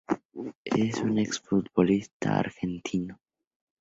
Es un exfutbolista argentino.